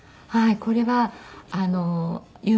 はい。